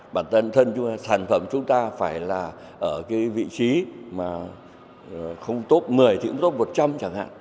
bản thân chúng ta sản phẩm chúng ta phải là ở cái vị trí mà không tốt một mươi thì cũng tốt một trăm linh chẳng hạn